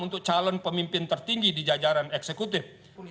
untuk calon pemimpin tertinggi di jajaran eksekutif